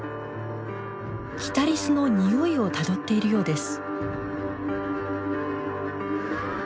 キタリスのニオイをたどっているようです。